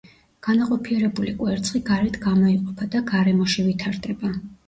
განაყოფიერებული კვერცხი გარეთ გამოიყოფა და გარემოში ვითარდება.